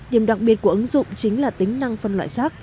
điểm đặc biệt của ứng dụng chính là tính năng phân loại xác